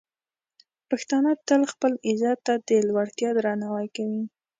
پښتانه تل خپل عزت ته د لوړتیا درناوی کوي.